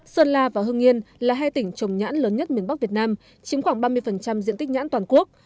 sơn la và hưng yên là hai tỉnh trồng nhãn lớn nhất miền bắc việt nam chiếm khoảng ba mươi diện tích nhãn toàn quốc